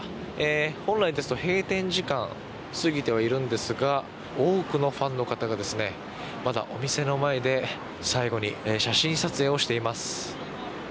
本来ですと閉店時間過ぎてはいるんですが多くのファンの方がまだお店の前で最後に写真撮影をしています。